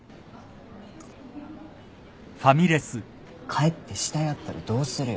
帰って死体あったらどうするよ？